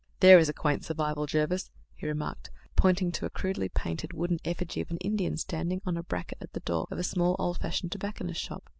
"There is a quaint survival, Jervis," he remarked, pointing to a crudely painted, wooden effigy of an Indian standing on a bracket at the door of a small old fashioned tobacconist's shop.